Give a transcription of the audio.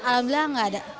alhamdulillah nggak ada